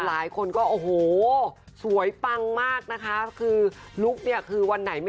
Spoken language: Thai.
หลายคนก็โอ้โหสวยปังมากนะคะคือลุคเนี่ยคือวันไหน